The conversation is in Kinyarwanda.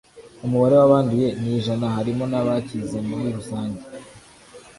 umubare w'abanduye ni ijanaharimonabakizem uri rusange